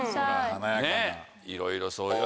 いろいろそういう。